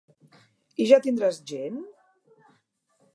I ja tindràs gent?